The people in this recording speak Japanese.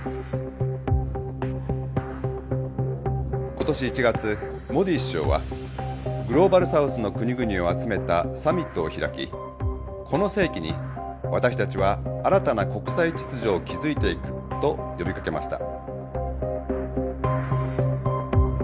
今年１月モディ首相はグローバル・サウスの国々を集めたサミットを開きこの世紀に私たちは新たな国際秩序を築いていくと呼びかけました。